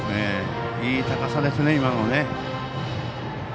いい高さですね、今のね。